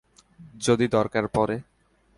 যদি দরকার পরে।